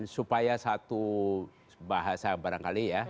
supaya satu bahasa barangkali ya